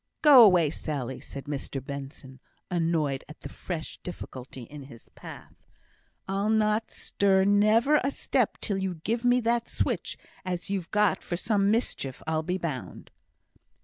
"Go away, Sally," said Mr Benson, annoyed at the fresh difficulty in his path. "I'll not stir never a step till you give me that switch, as you've got for some mischief, I'll be bound."